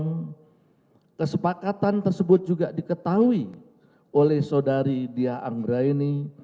yang kesepakatan tersebut juga diketahui oleh saudari dia anggra ini